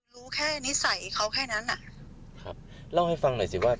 รู้แค่นิสัยเขาแค่นั้นอ่ะครับเล่าให้ฟังหน่อยสิว่า